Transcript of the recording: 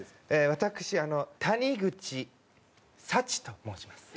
私谷口サチと申します。